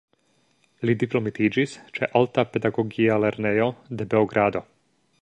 Li diplomitiĝis ĉe Alta Pedagogia Lernejo de Beogrado.